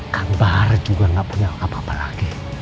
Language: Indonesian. kan bar juga gak punya apa apa lagi